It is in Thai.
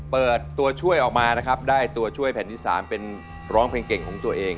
เปิดตัวช่วยออกมานะครับได้ตัวช่วยแผ่นที่๓เป็นร้องเพลงเก่งของตัวเอง